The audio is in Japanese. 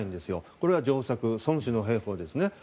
これは上策、孫氏の兵法ですね。